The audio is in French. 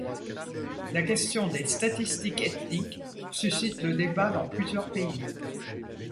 La question des statistiques ethniques suscite le débat dans plusieurs pays.